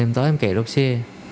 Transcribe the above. em thói em kể lúc xe